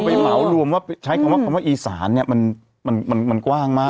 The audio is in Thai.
เป็นเหมารวมใช้คำว่าอีสานเนี่ยมันกว้างมาก